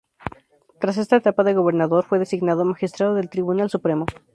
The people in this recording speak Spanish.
Tras esta etapa de gobernador, fue designado magistrado del Tribunal Supremo.